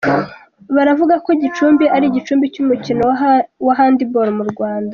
Baravuga ko Gicumbi ari igicumbi cy’umukino wa handi bolo mu Rwanda.